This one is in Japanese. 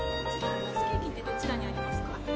どちらにありますか？